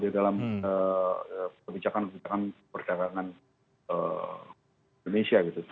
dalam kebijakan kebijakan perdagangan indonesia